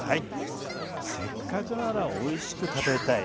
せっかくならおいしく食べたい。